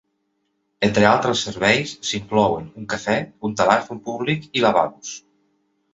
Entre altres serveis s'inclouen un cafè, un telèfon públic i lavabos.